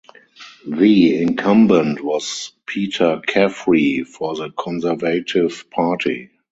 The incumbent was Peter Caffrey for the Conservative Party.